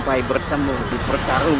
masuklah ke dalam